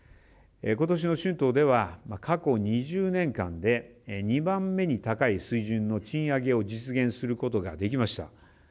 ことしの春闘では過去２０年間で２番目に高い水準の賃上げを実現することができました。